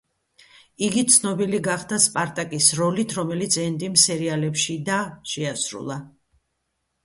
იგი ცნობილი გახდა სპარტაკის როლით, რომელიც ენდიმ სერიალებში და შეასრულა.